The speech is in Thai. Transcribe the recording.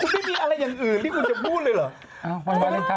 ไม่มีอะไรอย่างอื่นที่คุณจะพูดเลยเหรอ